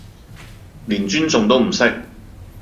連尊重都唔識